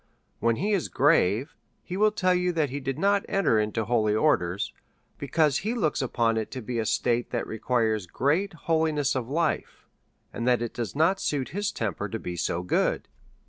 When he is grave, he will tell you that he did not enter into holy orders, because he looks upon it to be a state that requires great holmess of life, and that it does not suit his temper to be so good.